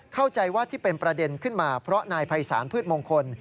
เข้าใจว่าที่เป็นประเด็นขึ้นมาเพราะนายภัยศาลพืชมงคล